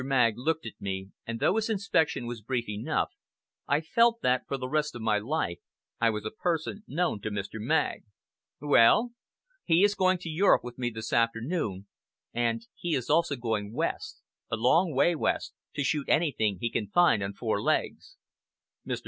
Magg looked at me, and though his inspection was brief enough, I felt that, for the rest of my life, I was a person known to Mr. Magg. "Well?" "He is going to Europe with me this afternoon and he is also going West, a long way west, to shoot anything he can find on four legs." Mr.